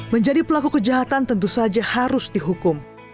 menjadi pelaku kejahatan tentu saja harus dihukum